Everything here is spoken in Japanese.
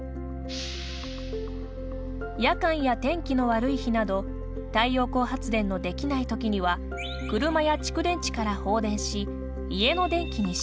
夜間や天気の悪い日など太陽光発電のできない時には車や蓄電池から放電し家の電気に使用。